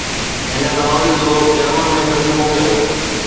هن ناول جو جرمن ۾ ترجمو ڪيو.